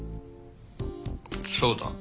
そうだ。